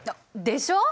でしょ！